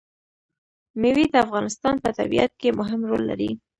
مېوې د افغانستان په طبیعت کې مهم رول لري.